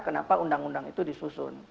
kenapa undang undang itu disusun